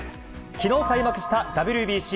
きのう開幕したＷＢＣ。